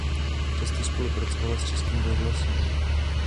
Často spolupracovala s Českým rozhlasem.